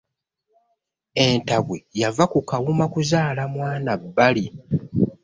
Entabwe yava ku Kawuma kuzaala mwana bbali.